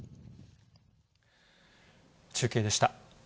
中継でした。